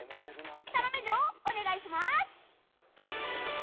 サロメ嬢、お願いします！